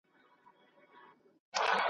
توجه یې له باوړیه شاوخوا وي ,